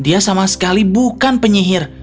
dia sama sekali bukan orang yang baik